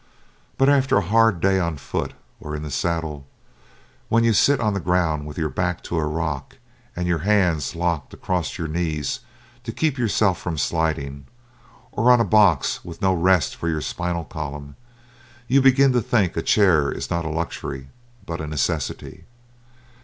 But after a hard day on foot or in the saddle, when you sit on the ground with your back to a rock and your hands locked across your knees to keep yourself from sliding, or on a box with no rest for your spinal column, you begin to think a chair is not a luxury, but a necessity.